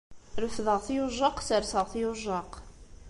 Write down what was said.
Refdeɣ-t yujjaq, serseɣ-t yujjaq!